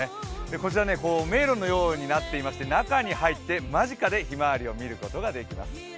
こちら迷路のようになっていまして、中に入って間近でひまわりを見ることができます。